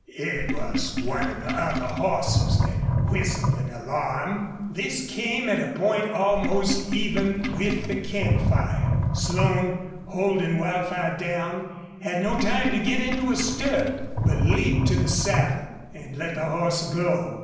It was one of the other horses that whistled an alarm. This came at a point almost even with the camp fire. Slone, holding Wildfire down, had no time to get into a stirrup, but leaped to the saddle and let the horse go.